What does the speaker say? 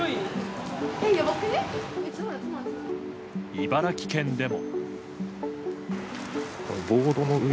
茨城県でも。